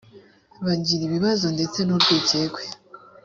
bagira ibibazo ndetse n ‘urwikekwe.